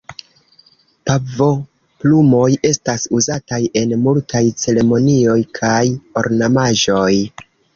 Pavoplumoj estas uzataj en multaj ceremonioj kaj ornamaĵoj.